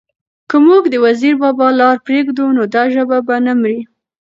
که موږ د وزیر بابا لاره پرېږدو؛ نو دا ژبه به نه مري،